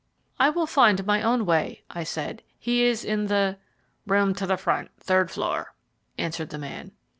"I will find my own way," I said. "He is in the " "Room to the front third floor," answered the man.